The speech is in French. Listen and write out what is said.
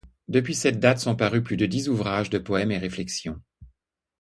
Depuis cette date sont parus plus de dix ouvrages de poèmes et réflexions.